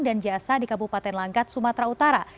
dan jasa di kabupaten langkat sumatera utara